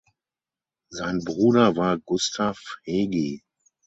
Sein Bruder war Gustav Hegi.